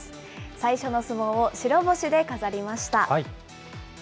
最初の相撲を白星で飾りました。